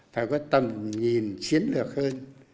phải có tầm nhìn chiến lược hơn